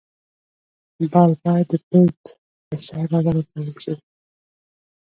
بال باید د پيچ پر سر راوغورځول سي.